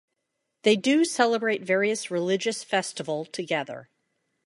They do celebrate various religious festival together.